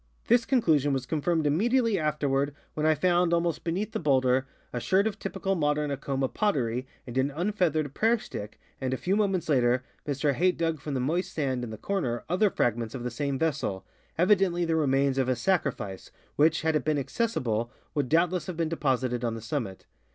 This conclusion was confirmed immediately afterward when I found, almost beneath the bowlder, a sherd of typical modern Acoma potter}^ and an unfeathered prayer stick, and a few moments later Mr Hayt dug from the moist sand in the corner other fragments of the same vessel, evidentl}^ the remains of a sacrifice, which, had it been accessible, would doubtless have been deposited on the summit.